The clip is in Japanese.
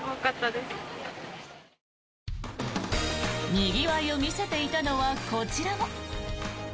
にぎわいを見せていたのはこちらも。